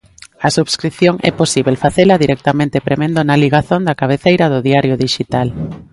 A subscrición é posíbel facela directamente premendo na ligazón da cabeceira do diario dixital.